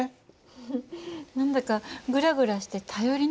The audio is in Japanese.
フフッ何だかグラグラして頼りない。